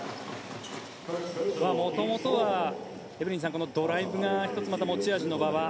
元々はエブリンさんドライブが１つ持ち味の馬場。